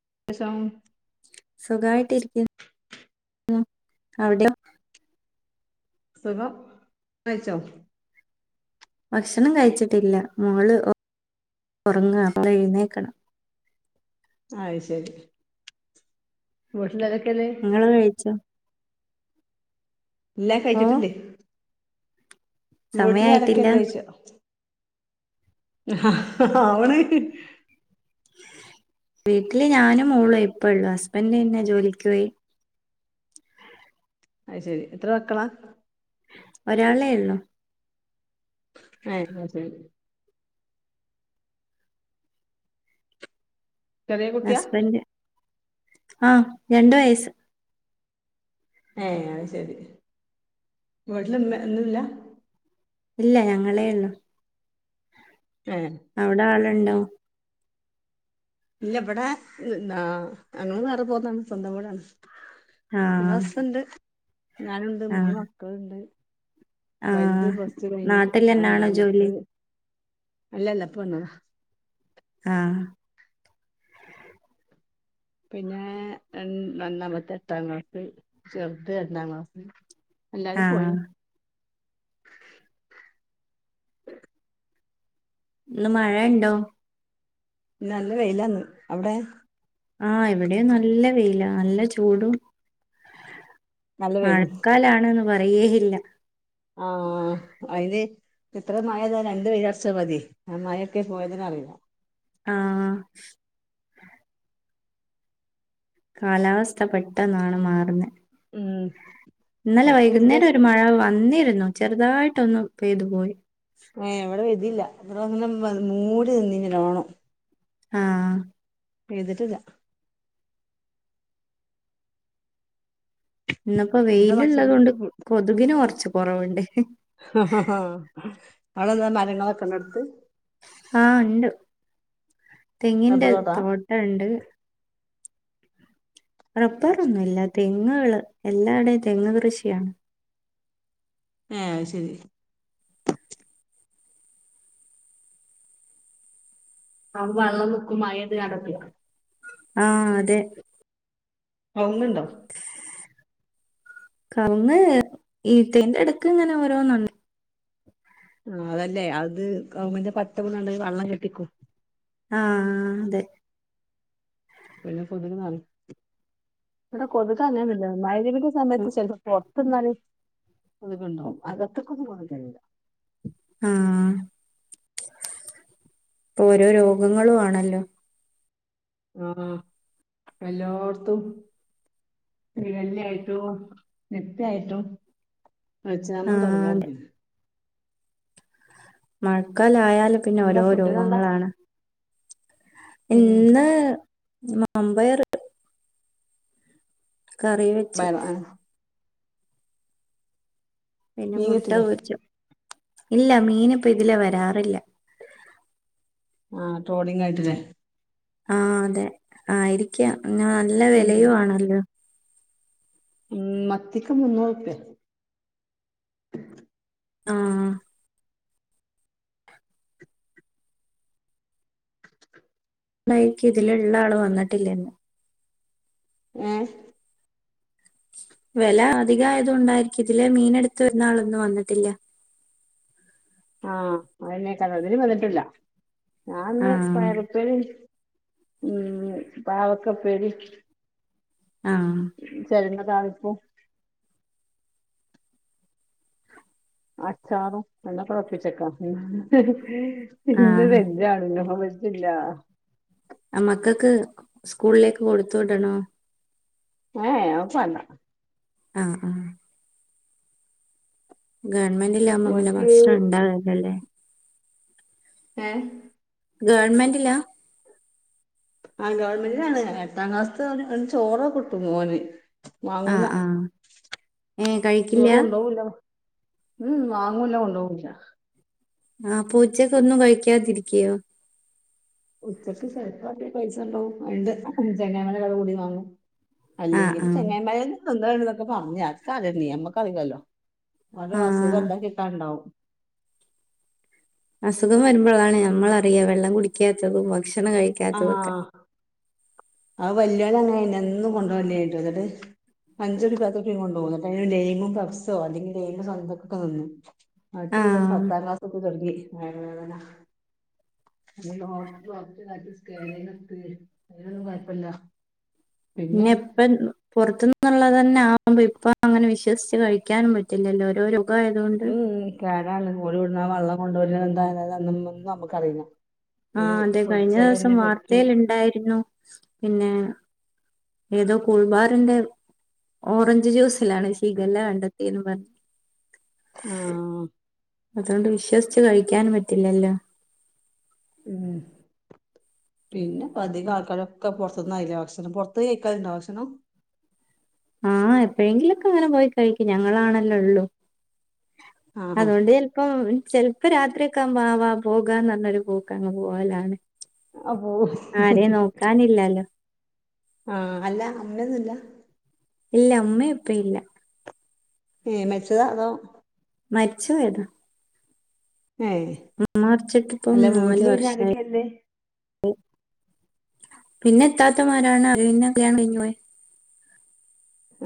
[unintelligible] അവിടെ സുഖം ക്കയ്ച്ചോ വക്ഷണം കഴിച്ചിട്ടില്ല മോള് ഒ ഒറങ്ങ എഴുന്നേക്കണം. അയ് ശരി വെട്നെല് ങ്ങള് കഴിച്ചോ? ല്ലാ ഓ കയിച്ചിട്ടില്ലേ സമയായിട്ടില്ല വീട്ട്ലാരോക്കെലോഒയ്ച്ചാ. അവന് വീട്ടില് ഞാനും മൂളു ഇപ്പളെ ഹസ്ബൻഡന്നെ ജോലിക്കോയി. അയ് ശേരി എത്ര മക്കളാ. ഒരാളേള്ളോ ങ്ങെ ആഹ് ശരി ചെറിയെ കുട്ടിയാ. ആഹ രണ്ട് വയസ്സ് ഏ അത് ശരി വീട്ട്ല് മെന്നുംല്ല ഇല്ല ഞങ്ങളേ ള്ളു ഏ അവിടെ ആ ഇണ്ടോ ഇല്ല ഇവിടെൻ ആ ഞങ്ങളും വേറെ പോന്ന്ണ് സ്വന്തം വീടാണ്. ആ ഹസ്സ്ണ്ട്. ഞാനുണ്ട് ആ മൂന്ന് മക്കളുണ്ട് ആ വലുത്പ്ലസ് ടു കഴിഞ്ഞു നാട്ടിൽ തന്നെയാണോ ജോലി രണ്ടാമത്തത് അല്ലല്ല ഇപ്പൊ വന്നതാ ആഹ പിന്നെ രണ്ടാമത്തേത് എട്ടാം ക്ലാസ് ചെറുത് രണ്ടാം ക്ലാസ് ആ അല്ലാരും പോയിണ് ഇന്ന് മഴ ഇണ്ടോ ഇന്ന് നല്ല വെയിലാന്ന് അവിടെ ആഹ എവിടെയും നല്ല വെയില നല്ല ചൂടും നല്ല വെയിലും മഴക്കാലാണ് പറയേയില്ല ആഹ അതിന് എത്ര മാഴ പയ്താലും രണ്ട് വെയിലറച്ച മതി ആ മഴൊക്കെ പോയതന്നെ അറിയില്ല ആഹ കാലാവസ്ഥ പെട്ടെന്നാണ് മാറുന്നത് ഉം ഇന്നലെ ചെലപ്പോ ഇച്ചിരി വൈകുന്നേരം ഒരു മഴ വന്നിരുന്നു ചെറുതായിട്ടൊന്ന് പെയ്തു പോയി ആഹ ഇവിടെ ഇല്ല അത് ഇങ്ങനെ മൂടി നിന്നിനി നല്ലോണം ആഹ പെയ്തിട്ടില്ല ഇന്നപ്പോ എന്താ വെയിലുള്ളത് ഭക്ഷണം കൊണ്ട് കൊതുകിനെ കുറച്ച് കുറവുണ്ട് ആഹ ആഹ അവിടെന്താ മരങ്ങളെക്കണ്ടെടുത്ത് ആഹ ഉണ്ട് റബ്ബർ തെങ്ങിന്റെ തോട്ടാ തോട്ടുണ്ട് റബ്ബർൊന്നുംല്ല തെങ്ങുകള് എല്ലാടയും തെങ്ങ് കൃഷിയാണ് ഏഹ് അത് ശരി ആ വെള്ളം മഴപെയ്തക്കണ്ട് ആഹ അതെ കൗങ്ങ് ഉണ്ടോ കൗങ്ങ് ഈത്തേന്റെ ഇടക്ക് ഇങ്ങനെ ഓരോന്നുണ്ട് ആ അതല്ലേ അത് കൗങ്ങ്ന്റെ പട്ട വീണ് ക്കാണ്ട് വെള്ളം കെട്ടിക്കും ആഹ അതെ പിന്നെ കൊതുക് നല്ലോണം ഇവിടെ കൊതുക് അങ്ങനെ ഇല്ല മഗ്‌രിബ് ന്റെ സമയത്ത് ചെലപ്പോ പുറത്തുന്നാല് അത് കണ്ടോ അകത്തേക്ക് പോകാൻ കഴിയല്ല. മ് ഓരോ രോഗങ്ങളും ആണല്ലോ. ആ എല്ലാട്ത്തും [unintelligible] ആയിട്ടോ നിത്യായിട്ടോ ആഹ് അതെ [unintelligible] മഴക്കാലായാ പിന്നെ എന്താ ഓരോ ഫുഡിനെന്താ രോഗങ്ങളാണ്. ഉം ഇന്ന് മാമ്പയറിട്ട് കറി വെച്ചു. വയറ ആ, പിന്നെ മീൻ മുട്ട കിട്ടില്ലേ പൊരിച്ചു. ഇല്ല മീനിപ്പം ഇതിലേ വരാറില്ല. ആ ട്രോളിങ് ആയിട്ടല്ലേ? ആ അതെ ആയിരിക്കാം. പിന്നെ നല്ല വെലയും ആണല്ലോ. മ് മത്തിക്ക് മുന്നൂറുപ്യ ആ നയിക്ക് ഇതിലുള്ള ആള് വന്നിട്ടില്ലിന്ന്. ങേ വെല അധികായതൊണ്ടായിരിക്കും ഇതിലേ മീനെടുത്ത് വരുന്നാള് വന്നിട്ടില്ല. ആ അയനെക്കാ അതിലും വന്നിട്ടില്ല. ഞാൻന്ന് ആഹ് പയറുപ്പേരി ഉം പാവക്ക ഉപ്പേരി ആ ദാ ഇപ്പോ അച്ചാറും [unintelligible] ഇന്ന് ആഹ് വെജാണ് നോൺ വെജ് ഇല്ലാ അ മക്കൾക്ക് സ്കൂളിലേക്ക് കൊടുത്തുടണോ ഏ അവക്ക്വേണ്ട. ആ ആ ഗവൺമെന്റിൽ ആകുമ്പോ പിന്നെ ഓൽക്ക് ഭക്ഷണം ഉണ്ടാവില്ലല്ലേ? ഏ ഗവൺമെന്റിലാ? ആ ഗവൺമെന്റിലാണ്. എട്ടാം ക്ലാസ് അവടെ ചോറ് കിട്ടും മോന്. മാങ്ങൂല ആഹ് ആഹ് ഏഹ് കഴിക്കില്ല ചോറ് കൊണ്ടോവുല്ല അവൻ. ഉം വാങ്ങും ഇല്ല കൊണ്ടുപോവും ഇല്ല. ആ അപ്പൊച്ചക്ക് ഒന്നും കഴിക്കാതിരിക്കോ? ഉച്ചയ്ക്ക് ചെലപ്പ ഇത്തിരി പൈസ കൊണ്ടോവും. [unintelligible] ചങ്ങായിമാരെല്ലാം കൂടി വാങ്ങും. ആഹ് അല്ലെങ്കിൽ ആഹ് ചങ്ങായിമാരുടേന്ന് എന്താന്നക്കെഞ്ഞ നീ നമ്മക്ക് അറിയല്ലോ അര അസുഖം ആഹ് എന്താ കിട്ടാണ്ടാവും അസുഖം വരുമ്പോൾ അതാണ് ഞമ്മളറിയാം വെള്ളം കുടിക്കാത്തതും ഭക്ഷണം കഴിക്കാത്തൊക്കെ ആ വലുയാള അങ്ങനെ എന്നും കൊണ്ടുപോയിട്ടോ എന്നിട്ട് അഞ്ചൊടി പാത്തൊട്ട കൊണ്ടു പോകട്ട് ലെയിമും പബ്സോ അല്ലെങ്കിൽ ലെയിം സ്വന്തക്കൊക്കെ നിന്നു മട്ട് വീട്ടൾ ആഹ് പത്താം ക്ലാസ് ഒക്കെ തുടങ്ങി വേഗ വേദന അ അയിനൊന്നും കുഴപ്പില്ല പിന്നെപ്പ പുറത്തന്ന് എന്നുള്ളത്തന്നെ ആകുമ്പ ഇപ്പ അങ്ങനെ വിശ്വസിച്ച് കഴിക്കാനും പറ്റില്ലല്ലോ ഓരോരോ ക്ക ആയതുകൊണ്ട് ല്ലടി വിടാ വെള്ളം കൊണ്ടുവര എന്തായ അുംന്നും നമുക്കറിയാം ആഹ അതെ കഴിഞ്ഞ ദിവസം വാർത്തൽ ഉണ്ടായിരുന്നു പിന്നെ ഏതോ കൂൾബാറിന്റെ ഓറഞ്ച് ജ്യൂസിലാണ് ഷിഗല്ല കണ്ടെത്തിയന്ന് പറഞ്ഞു ആഹ അതുകൊണ്ട് വിശ്വസിച്ച്ച് കഴിക്കാനും പറ്റില്ലല്ലോ ഉം പിന്നെപതികആൾക്കാരൊക്കെ പുറത്തന്നയില്ല ഭക്ഷണം പൊറത്ത് കഴിക്കാറുണ്ടോ ഭക്ഷണം ആഹ എപ്പോഴെങ്കിലൊക്കെ അങ്ങനെ പോയി കഴിക്കും ഞങ്ങളാണല്ലേ ഉള്ളു ആഹ് അതുകൊണ്ട് ചല്പ്പം ചെിലപ്പോ രാത്രി ഒക്കെ വാവാ പോകാ നല്ലൊരു പോക്ക് അങ്ങ് പോവലാണ് അപ്പൊ ആരേം നോക്കാനില്ലല്ലോ ആഹ അല്ല അമ്മന്നുല്ല ഇല്ല അമ്മേ ഇപ്പ ഇല്ല ഏ മെരിച്ചതാ അതോ മരിച്ച വോയതാ ഏ മ മറച്ചിട്ട് ഇപ്പം അല്ല നാല് വീട്ടില് പിന്നെ വർഷമായി ആരൊക്കെയല്ലേ പിന്നെ എത്താത്തമാരാണ്അവര് പിന്നെകല്യാണം കഴിഞ്ഞു പോയി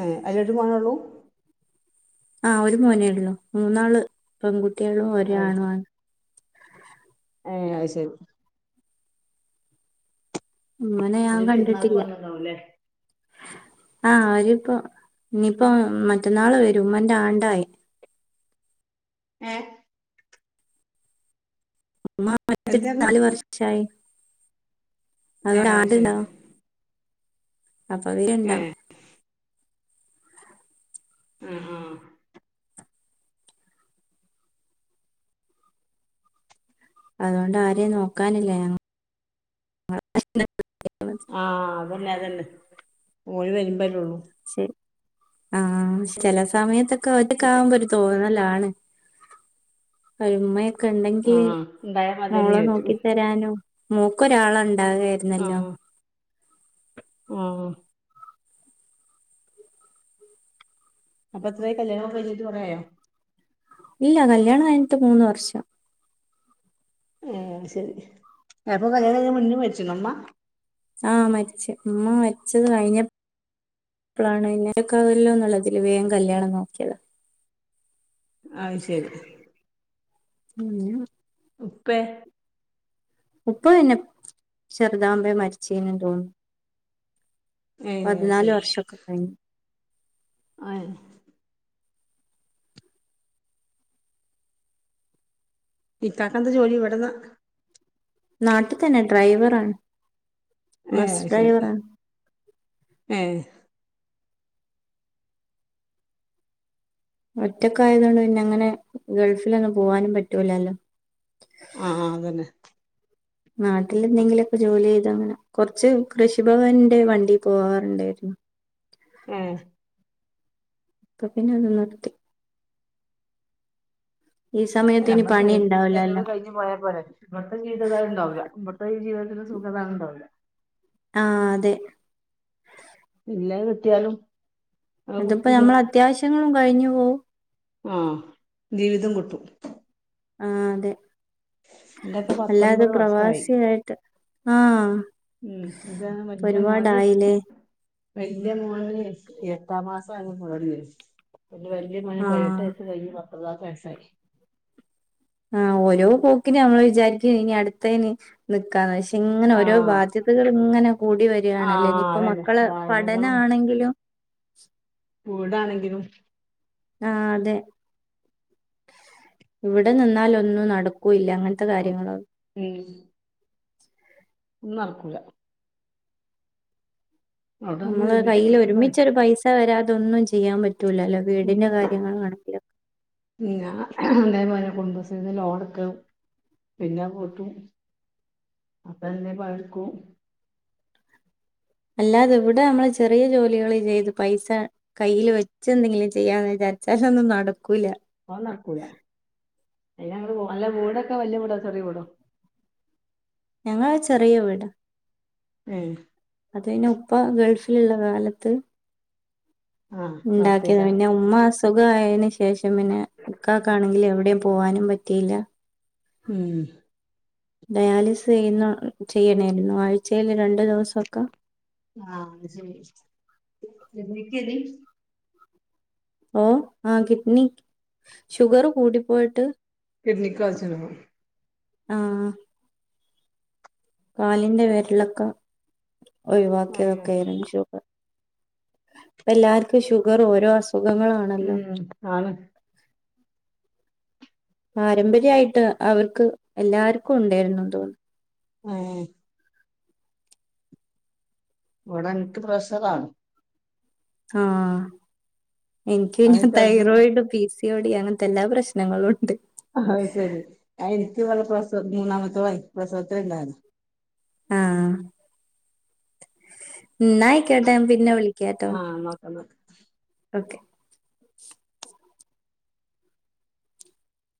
ഏ അല്ല ഒരു മണള്ളൂ ആഹ ഒരു മോനേള്ളോ മൂന്നാള് പെൺകുട്ടികളും ഒര അത് ആണു ആണ് ആ അത് ശരി അമ്മനെ ഞാൻ ഓന് പെരുന്നാക്ക് കണ്ടിട്ടില്ല വന്ന്ണ്ടാവുംല്ലേ ആഹ അവരിപ്പോ ഇനിയിപ്പോ മറ്റന്നാള് വരും ഉമ്മന്റെ ആണ്ടായി ഏഹ് അമ്മ മരിച്ചിട്ട് എന്താണ് നാല് വർഷായി ഏ അമ്മേടെ അത് ആണ്ടു ശരി അപ്പൊ ഏ വരണ്ടാവും ആഹ് ആഹ് അതോണ്ട് ആരിം നോക്കാനില്ല ഞങ്ങ [unintelligible] ആഹ് അതന്നെ അതന്നെ ഓല് വരുമ്പല്ലൊള്ളൂ ശെരി ആഹ് ചെല സമയത്തെ ക്കെ ഒ [unintelligible] അല്ലേ ക്കാവുമ്പോ ഒരു തോന്നലാ ആണ് ക്ക ഇണ്ടെങ്കി ആഹ് ഇണ്ടായാ മതിയേനി മോളെ വിചാരിച്ചു നോക്കി തരാനും മോക്കൊരാളാണ് ഉണ്ടാ കേര്ന്നല്ലോ ആ അപ്പൊ എത്രേയി കല്യാണം ഒക്കെ കൈഞ്ഞിട്ട് കൊറേയോ ഇല്ല കല്യാണം കയ്ഞ്ഞ്ട്ട് മൂന്ന് വർഷം ഏ ശരി അപ്പൊ കല്യാണം കഴി [unintelligible] മുന്നെ മരിച്ച് ക്ക്ണോമ്മ ആഹ് മരിച്ച് ഉമ്മ മരിച്ചത് കഴിഞ്ഞപ്പ്ളാണ് [unintelligible] ന്നുള്ളതില് വേം കല്യാണം നോക്കിയതാ അയ് ശരി അ ഉപ്പേ ഉപ്പ പിന്നെ ചെറ് താവുമ്പേ മരിച്ചീനും തോന്നു ഏ പതിനാല് വർഷൊക്കെ കഴിഞ്ഞു ആയ് ഇക്കാക്കെന്താ ജോലി ഇവടെ നാ നാട്ടി തന്നെ ഡ്രൈവറാണ് ഏ ബസ് അയ് ശരി ഡ്രൈവറാണ് ഏ ഒറ്റക്ക് ആയതോണ്ട് പിന്നെ അങ്ങനെ ഗൾഫിലൊന്നും പോവാനും പറ്റൂലാല്ലോ ആഹ് അതന്നെ നാട്ടില് എന്തെങ്കിലൊക്കെ ജോലി ചെയ്ത അങ്ങനെ കൊറച്ച് കൃഷിഭവന്റെ വണ്ടി പോവാറ്ണ്ടായിരുന്നു ഏഹ് ഇപ്പൊ പിന്നെ അത് നിർത്തി ഈ അല്ല സമയത്ത് ഇനി ഞമ്മളെ പണി ഉണ്ടാവില്ലല്ലോ ചെലവ് കഴിഞ്ഞ് പോയാ പോരെ ഇവിട്ത്തെ ജീവിത അത് ഇണ്ടാവൂല ഇപ്പ ഈ ജീവിതത്തിലെ സുഖതാ അഅ്ണ്ടാവൂല ആഹ് അതെ ഇല്ലഅ് കിട്ടിയാലും അത് ഇത്പ്പോ കുത്തി തിന്നണ നമ്മളെ അത്യാവശ്യങ്ങളും കഴിഞ്ഞു പോവും ആ ജീവിതം കിട്ടും ആഹ് അതെ എന്റെയൊക്കെ അല്ലാതെ പത്തൊമ്പത് വർഷായി പ്രവാസിയായിട്ട് ആഹ് ഉം ഇതാണ് വല്യ മോന് ഒരുപാടായി ലേ വല്യ മോന് എട്ടാം മാസം ആ [unintelligible] പിന്നെ വല്ല്യ മോന് ആ പയിനെട്ട് വയസ്സ് കയ്ഞ്ഞ് പ [unintelligible] ആഹ് ഓരോ പോക്കിന് നമ്മള് വിചാരിക്ക ഇനി അടുത്തതിന് നിക്കാന്ന് പക്ഷെ ഇങ്ങനെ ആ ഓരോ ബാധ്യതകൾ ഇങ്ങനെ കൂടി ആ വരികാണല്ലേ ഇനിയിപ്പോ അതന്നെ മക്കള് ബാധ്യതകളും പഠനമാണെങ്കിലും [unintelligible] കൂടാണെങ്കിലും ആഹ് അതെ ഇവിടെ നിന്നാലൊന്നും നടക്കൂല്ല അങ്ങനത്തെ ഉം കാര്യങ്ങള ഉം ഒന്നും നടക്കുല നമ്മൾ നമ്മള് ഒരുമിച്ച് കയ്യിൽ കിട്ടുമ്പോഴേ ഒരുമിച്ചൊരു പൈസ പൈസ വരാതൊന്നും ചെയ്യാൻ പ പറ്റൂലല്ലോ വീടിന്റെ ഉം കാര്യങ്ങള് നടപ്പിലാക്കാ ഞാൻ കുടുംബശ്രീന്ന് ലോണടുക്ക പിന്നെ പൂട്ടും അപ്പ എ പഴക്കും അല്ലാതെ ഇവിടെ നമ്മള് ചെറിയ ജോലികൾ ചെയ്ത് പൈസ കയ്യിൽ വെച്ച് എന്തെങ്കിലും ചെയ്യാന്ന് വിചാരിച്ച പക്ഷെ ഒന്നും നട അത് നടക്കൂല അയി അങ്ങട്ട് പോ അല്ല വീടൊക്കെ വല്ല്യ വീടോ ചെറിയ വീടോ ഞങ്ങള ചെറിയ വീടാ ഉം അതെന്ന ഉപ്പ ഗൾഫിലുള്ള കാലത്ത് ആഹ് ഉണ്ടാക്കിയത നടത്തേക്കാരം പിന്നെ ഉമ്മ സ് സുഖായേന് ശേ ശേഷം പിന്നെ ഇക്കാക്കാണെങ്കിൽ എവിടെയും പോവാനും പറ്റിയില്ല ഉം ഡയാലിസിസ് ചെയ്യണമായിരുന്നു ആഴ്ചയിൽ രണ്ടു ദിവസൊക്കെ ആഹ് അത് ശരി ഓ ആ കിഡ്നി ഷുഗർ കൂടിപ്പോയിട്ട് കിഡ്‌നിക്ക് ആഹ് കാലിന്റെ വിരലൊക്കെ ഒഴിവാക്കി ഏഹ് അതൊക്കെ ആയിരുന്നു എല്ലാവർക്കും ഷുഗർ ഓരോ അസു ഉം ആണ് പാരമ്പര്യമായിട്ട് അവർക്ക് എല്ലാർക്കും ഉണ്ടായിരുന്നു തോന്നുന്നു ആഹ് ഇവിടെ എനിക്ക് പ്രഷറാണ് ആഹ് എനിക്ക് അത് പിന്ന ചെറുതിന് തൈറോയിഡ് പി സി ഓടി, ഓടി അങ്ങനത്തെല്ലാ പ്രശ്നങ്ങളും ഉണ്ട് [unintelligible] പ്രസ മൂന്നാമത്തെ [unintelligible] പ്രസവത്തിന് ഉണ്ടായിരുന്നു ആഹ് ന്നാ ആയി കോട്ടെ ഞാ പിന്നെ വിളിക് ആഹ് നോക്കാ നോക്കാ ഓക്കേ